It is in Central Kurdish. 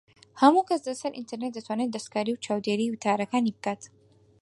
ھەموو کەس لە سەر ئینتەرنێت دەتوانێت دەستکاری و چاودێریی وتارەکانی بکات